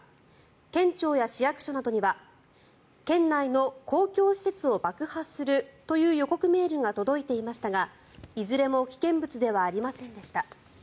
県庁や市役所などには県内の公共施設を爆破するという予告メールが届いていましたがいずれも危険物ではありませんでした。